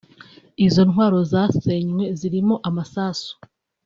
Izo ntwaro zasenywe zirimo amasasu